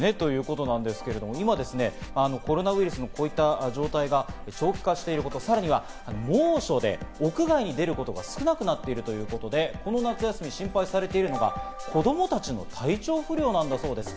今、コロナウイルスのこういった状態が長期化してること、さらには猛暑で屋外に出ることが少なくなっているということで、この夏休み、心配されてるのが子供たちの体調不良なんだそうです。